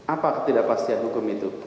apa ketidakpastian hukum itu